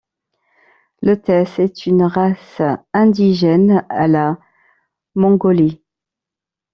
Le Tes est une race indigène à la Mongolie.